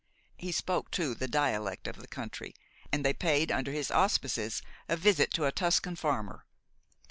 He spoke, too, the dialect of the country; and they paid, under his auspices, a visit to a Tuscan farmer.